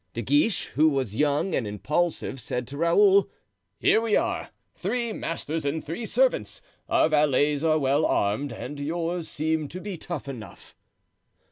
De Guiche, who was young and impulsive, said to Raoul, "Here we are, three masters and three servants. Our valets are well armed and yours seems to be tough enough."